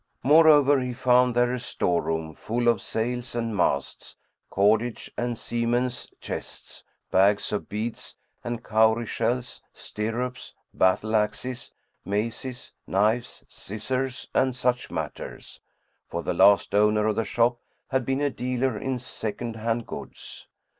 Moreover, he found there a store room full of sails and masts, cordage and seamen's chests, bags of beads and cowrie[FN#106] shells, stirrups, battle axes, maces, knives, scissors and such matters, for the last owner of the shop had been a dealer in second hand goods.